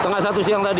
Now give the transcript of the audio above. setengah satu siang tadi